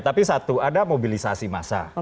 tapi satu ada mobilisasi massa